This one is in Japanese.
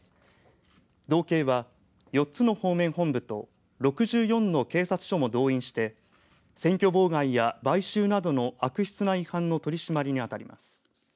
道警は、４つの方面本部と６４の警察署も動員して選挙妨害や買収などの悪質な違反の取り締まりにあたります。